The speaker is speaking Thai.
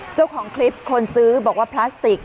เจ้าของคลิปคนซื้อบอกว่าพลาสติก